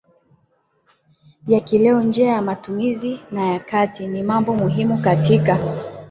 ya kileo njia ya matumizi na ya kati ni mambo muhimu katika